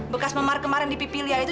bekas memar kemarin di pipi lia itu